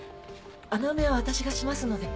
穴埋めは私がしますので。